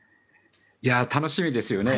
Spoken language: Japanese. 楽しみですよね。